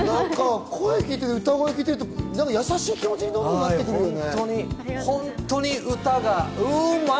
声聴いて歌声聴いてるとやさしい気持ちになるよね。